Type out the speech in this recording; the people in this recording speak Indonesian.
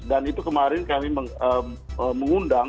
itu kemarin kami mengundang